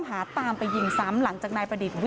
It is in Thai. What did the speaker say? โชว์บ้านในพื้นที่เขารู้สึกยังไงกับเรื่องที่เกิดขึ้น